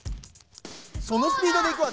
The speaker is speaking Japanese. そのスピードでいくわけ？